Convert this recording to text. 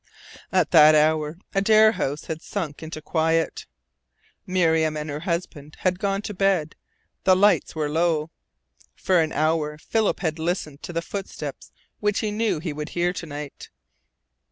At that hour Adare House had sunk into quiet. Miriam and her husband had gone to bed, the lights were low. For an hour Philip had listened for the footsteps which he knew he would hear to night.